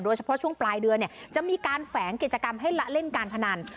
เฉพาะช่วงปลายเดือนเนี่ยจะมีการแฝงกิจกรรมให้ละเล่นการพนัน